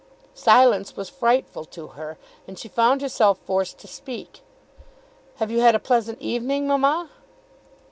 Silence was frightful to her, and she found herself forced to speak. "Have you had a pleasant evening, mamma?"